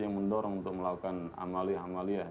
yang mendorong untuk melakukan amali amaliyah